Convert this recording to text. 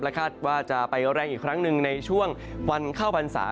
คาดว่าจะไปแรงอีกครั้งหนึ่งในช่วงวันเข้าพรรษา